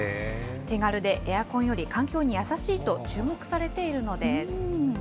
手軽でエアコンより環境に優しいと注目されているのです。